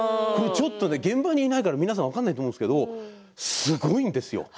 現場にいないから分からないと思うんですけどすごいんですよ。